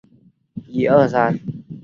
撤收时则按照相反的顺序操作即可。